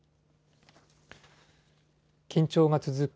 緊張が続く